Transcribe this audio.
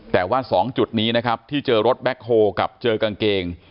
แต่ว่า๒จุดนี้นะครับที่เจอรถแบ็คโฮกับเจอกางเกง